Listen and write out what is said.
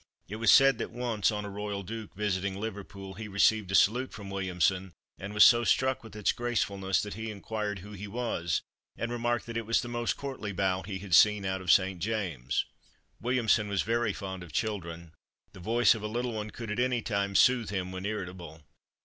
It was said that once, on a Royal Duke visiting Liverpool, he received a salute from Williamson, and was so struck with its gracefulness that he inquired who he was, and remarked that "it was the most courtly bow he had seen out of St. James's." Williamson was very fond of children. The voice of a little one could at any time soothe him when irritable.